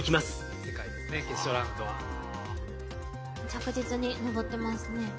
着実に上ってますね。